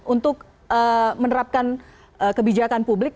untuk menerapkan kebijakan publik